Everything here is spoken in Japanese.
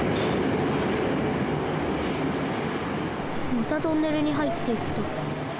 またトンネルにはいっていった。